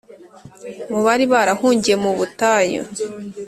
Mu bari barahungiye mu butayu